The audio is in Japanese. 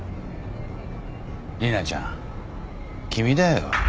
理奈ちゃん君だよ。